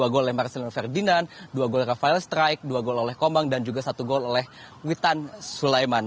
dua gol oleh marcelino ferdinand dua gol rafael strike dua gol oleh komang dan juga satu gol oleh witan sulaiman